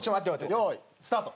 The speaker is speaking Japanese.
用意スタート。